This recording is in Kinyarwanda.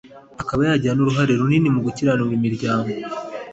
akaba yagira n'uruhare runini mu gukiranura imiryango